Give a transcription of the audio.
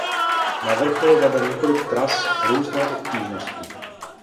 Na vrchol vede několik tras různé obtížnosti.